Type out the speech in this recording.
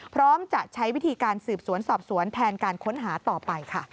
พร้อมจะใช้วิธีการสืบสวนสอบสวนแทนการค้นหาต่อไปค่ะ